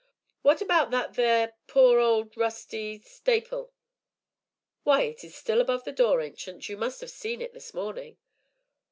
"What about that theer poor, old, rusty stapil?" "Why, it is still above the door, Ancient; you must have seen it this morning."